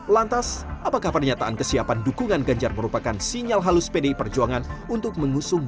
lantas apakah pernyataan kesiapan dukungan ganjar merupakan sinyal halus pdi perjuangan untuk mengusung